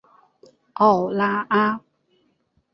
奥拉阿。